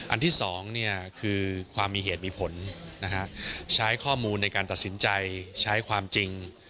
อันที่๒คือความมีเหตุมีผลใช้ข้อมูลในการตัดสินใจใช้ความจริง